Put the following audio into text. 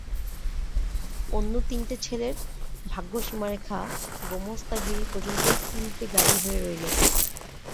অন্য তিনটে ছেলের ভাগ্যসীমারেখা গোমস্তাগিরি পর্যন্তই পিলপে-গাড়ি হয়ে রইল।